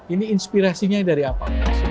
ini inspirasinya dari apa